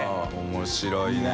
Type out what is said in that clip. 面白いね。